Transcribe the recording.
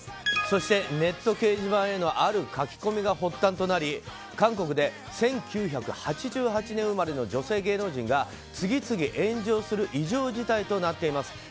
そして、ネット掲示板へのある書き込みが発端となり韓国で１９８８年生まれの女性芸能人が次々、炎上する異常事態となっています。